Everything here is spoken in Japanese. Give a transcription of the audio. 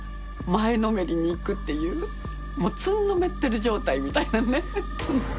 前のめりに行くっていうもうつんのめってる状態みたいなね。